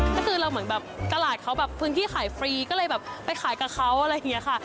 ก็คือเราเหมือนแบบตลาดเขาแบบพื้นที่ขายฟรีก็เลยแบบไปขายกับเขาอะไรอย่างนี้ค่ะ